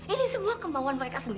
ini semua kemauan mereka sendiri